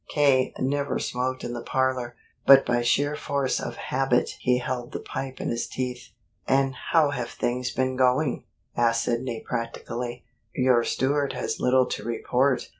K. never smoked in the parlor, but by sheer force of habit he held the pipe in his teeth. "And how have things been going?" asked Sidney practically. "Your steward has little to report.